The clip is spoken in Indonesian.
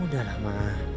udah lah ma